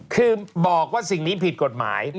คือบอกว่าสิ่งนี้ผิดกฎหมาย